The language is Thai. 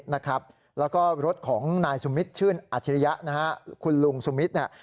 แล้วก็รถของนายสุมมิตรชื่นอาชิริยะคุณลุงสุมมิตร